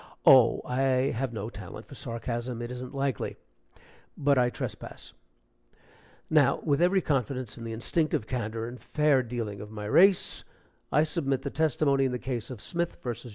(Oh, I have no talent for sarcasm, it isn't likely.) But I trespass. Now, with every confidence in the instinctive candor and fair dealing of my race, I submit the testimony in the case of Smith vs.